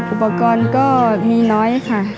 อุปกรณ์ก็มีน้อยค่ะ